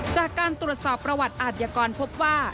จากการตรวจสอบประวัติอาทยากรพบว่า